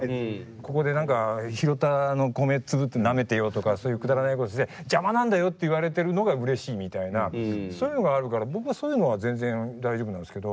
ここで何か拾った米粒なめてようとかそういうくだらないことをして邪魔なんだよって言われてるのがうれしいみたいなそういうのがあるから僕はそういうのは全然大丈夫なんですけど。